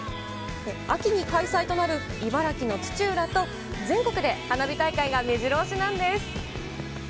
秋に開催となる茨城の土浦と、全国で花火大会がめじろ押しなんです。